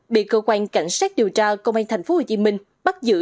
bị cơ quan cảnh sát điều tra công an tp hcm bắt giữ